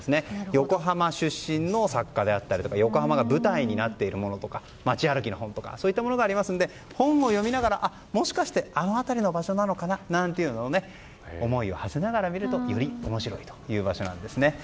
横浜出身の作家であったり横浜が舞台になっている本だとか街歩きの本とかがありますので本を読みながら、もしかしてあの辺りの場所なのかななんて思いをはせながら見るとより面白い場所なんです。